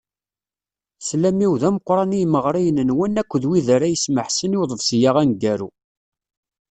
Sslam-iw d ameqqran i yimeɣriyen-nwen akked wid ara yesmeḥsen i uḍebsi-a aneggaru.